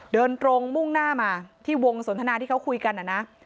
เดินตรงมุ่งหน้ามาที่วงสนทนาที่เขาคุยกันนะนะ